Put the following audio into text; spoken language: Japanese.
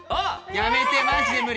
やめてマジで無理。